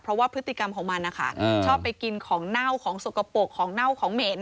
เพราะว่าพฤติกรรมของมันนะคะชอบไปกินของเน่าของสกปรกของเน่าของเหม็น